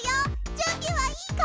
準備はいいか！